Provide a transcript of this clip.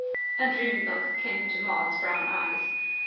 A dreamy look came into Maud's brown eyes.